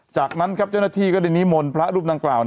จากนั้นครับเจ้าหน้าที่ก็ได้นิมนต์พระรูปดังกล่าว